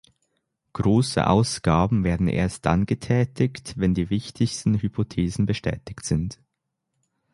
Große Ausgaben werden erst dann getätigt, wenn die wichtigsten Hypothesen bestätigt sind.